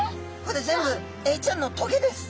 これ全部エイちゃんのトゲです。